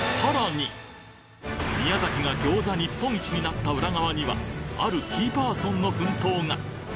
宮崎が餃子日本一になった裏側にはあるキーパーソンの奮闘が！